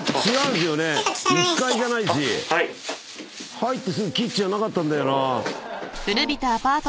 入ってすぐキッチンはなかったんだよな。